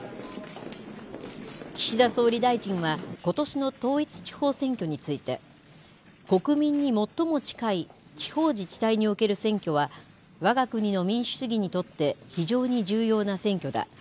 岸田総理大臣は、ことしの統一地方選挙について、国民に最も近い地方自治体における選挙は、わが国の民主主義にとって非常に重要な選挙だ。